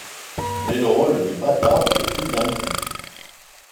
Mais le rôle du Bâtard est plus ambigu.